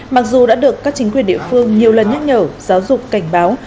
mặc dù đã được các chính quyền địa phương nhiều lần nhắc nhở giáo dục cảnh báo